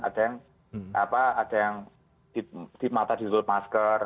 ada yang apa ada yang di mata ditutup masker